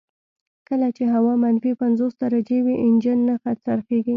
کله چې هوا منفي پنځوس درجې وي انجن نه څرخیږي